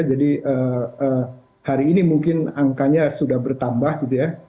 jadi hari ini mungkin angkanya sudah bertambah gitu ya dari tim